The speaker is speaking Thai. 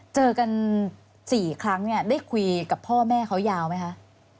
เจอกัน๔ครั้งเนี่ยได้คุยกับพ่อแม่เขายาวไหมคะ